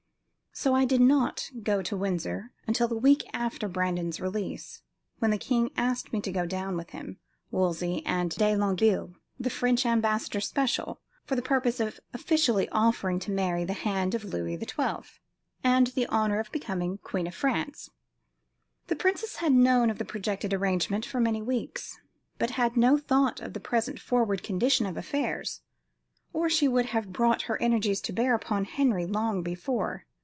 So I did not go to Windsor until a week after Brandon's release, when the king asked me to go down with him, Wolsey and de Longueville, the French ambassador special, for the purpose of officially offering to Mary the hand of Louis XII, and the honor of becoming queen of France. The princess had known of the projected arrangement for many weeks, but had no thought of the present forward condition of affairs, or she would have brought her energies to bear upon Henry long before.